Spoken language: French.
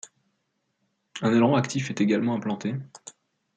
Un aileron actif est également implanté.